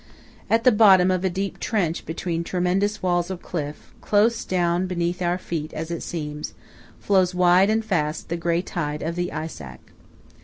At the bottom of a deep trench between tremendous walls of cliff, close down beneath our feet as it seems, flows wide and fast the grey tide of the Eisack.